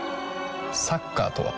サッカーとは？